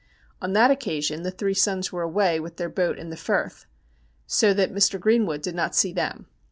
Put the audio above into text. On that occasion the three sons were away with their boat in the Firth, so that Mr. Greenwood did not see them.